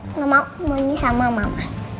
enggak mau mau sama mama